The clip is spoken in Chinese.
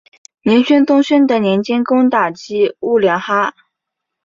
明宣宗宣德年间攻打击兀良哈。